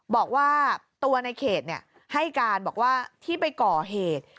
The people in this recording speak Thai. บอกว่าตัวในเขตให้การบอกว่าที่ไปก่อเหตุ